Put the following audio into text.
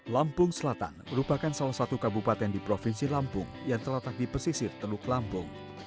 lampung selatan merupakan salah satu kabupaten di provinsi lampung yang terletak di pesisir teluk lampung